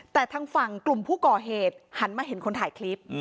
แต่ทางฝั่งกลุ่มผู้ก่อเหตุหันมาเห็นคนถ่ายคลิป